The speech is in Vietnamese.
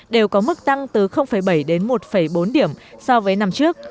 đều có mức tăng từ bảy đến một bốn điểm so với năm trước